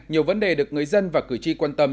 nhiều vấn đề được người dân và cử tri quan tâm